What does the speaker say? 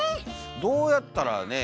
どうやったらねえ？